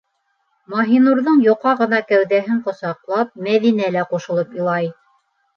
- Маһинурҙың йоҡа ғына кәүҙәһен ҡосаҡлап, Мәҙинә лә ҡушылып илай.